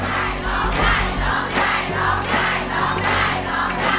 โทษให้โทษให้โทษให้โทษให้โทษให้โทษให้โทษให้